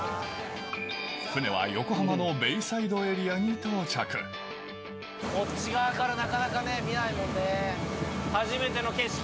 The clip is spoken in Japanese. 船は横浜のベイサイドエリアこっち側から、なかなか見な初めての景色。